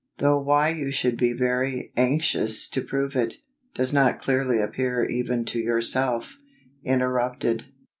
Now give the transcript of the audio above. though why you should be very anxious to prove it, does not clearly appear even to yourself. Interrupted.